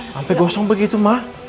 sampai gosong begitu ma